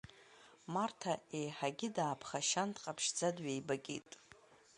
Марҭа еиҳагьы дааԥхашьан, дҟаԥшьӡа дҩеибакит.